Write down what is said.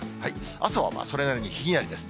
朝はそれなりにひんやりです。